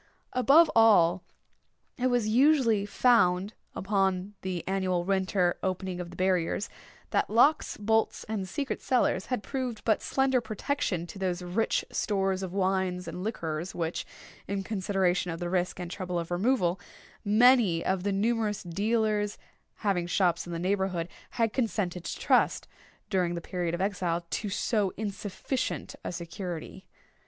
Above all, it was usually found, upon the annual winter opening of the barriers, that locks, bolts, and secret cellars, had proved but slender protection to those rich stores of wines and liquors which, in consideration of the risk and trouble of removal, many of the numerous dealers having shops in the neighbourhood had consented to trust, during the period of exile, to so insufficient a security.